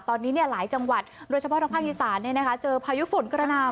ตอนนี้หลายจังหวัดโดยเฉพาะทางภาคอีสานเจอพายุฝนกระหนาว